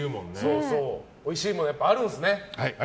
おいしいものあるんですね。